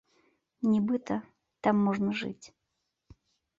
Нібыта, там можна жыць.